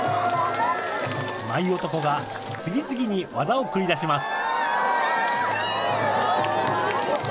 舞男が次々に技を繰り出します。